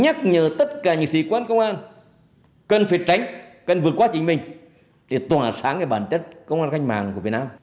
nhắc nhở tất cả những sĩ quan công an cần phải tránh cần vượt qua chính mình để tỏa sáng bản chất công an cách mạng của việt nam